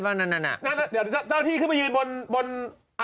เจ้าพระพริกขึ้นมายืนบนอะไรเขาเรียกตะวันนะฮะ